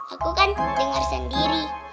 aku kan denger sendiri